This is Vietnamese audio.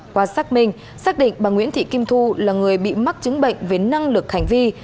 qua xác minh xác định bà nguyễn thị kim thu là người bị mắc chứng bệnh về năng lực hành vi